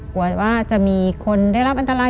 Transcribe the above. กลัวว่าจะมีคนได้รับอันตราย